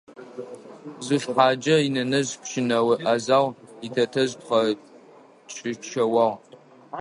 Зулхъаджэ инэнэжъ пщынэо Ӏэзагъ, итэтэжъ пхъэкӀычэуагъ.